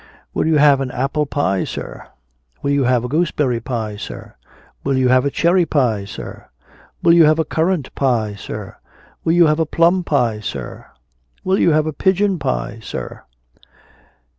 "Will you have an apple pie, sir? Will you have a gooseberry pie, sir? Will you have a cherry pie, sir? Will you have a currant pie, sir? Will you have a plum pie, sir? Will you have a pigeon pie, sir?"